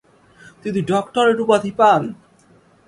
তিনি ডক্টরেট উপাধি পান।